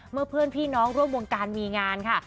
เพื่อนพี่น้องร่วมวงการมีงานค่ะ